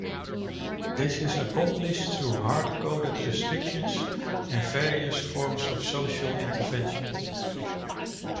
This is accomplished through hard coded restrictions and various forms of social intervention.